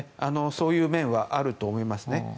そういう面はあると思いますね。